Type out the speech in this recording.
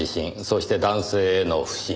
そして男性への不信。